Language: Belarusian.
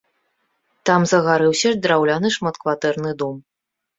Там загарэўся драўляны шматкватэрны дом.